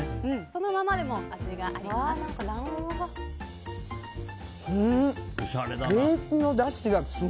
そのままでも味があります。